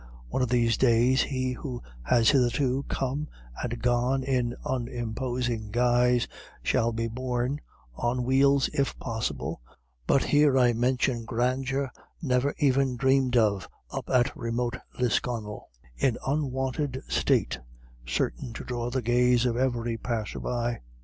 One of these days he who has hitherto come and gone in unimposing guise shall be borne, on wheels if possible but here I mention grandeur never even dreamed of up at remote Lisconnel in unwonted state, certain to draw the gaze of every passer by.